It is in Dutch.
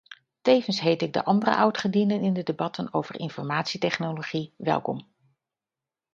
Tevens heet ik de andere oudgedienden in de debatten over informatietechnologie welkom.